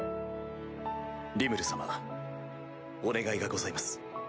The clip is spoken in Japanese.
リムル様お願いがございます。